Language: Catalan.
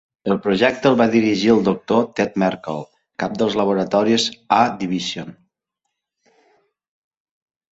El projecte el va dirigir el doctor Ted Merkle, cap dels laboratoris R-Division.